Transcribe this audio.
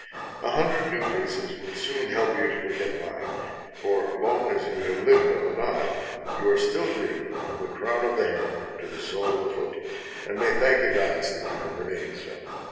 A hundred new faces will soon help you to forget mine, for long as you have lived on the Nile, you are still a Greek from the crown of the head to the sole of the foot, and may thank the gods that you have remained so.